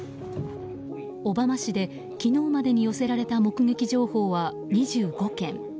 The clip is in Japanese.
小浜市で昨日までに寄せられた目撃情報は２５件。